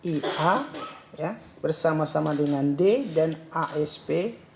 ia bersama sama dengan d dan asp